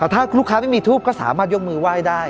ถ้าลูกค้าไม่มีทูปก็สามารถยกมือไหว้ได้